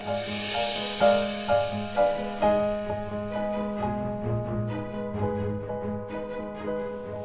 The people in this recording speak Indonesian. kita akan mencari kekuatan